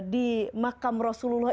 di makam rasulullah